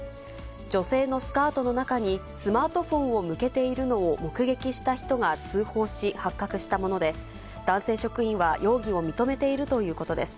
女性のスカートの中に、スマートフォンを向けているのを目撃した人が通報し、発覚したもので、男性職員は容疑を認めているということです。